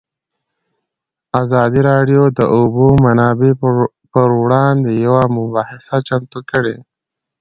ازادي راډیو د د اوبو منابع پر وړاندې یوه مباحثه چمتو کړې.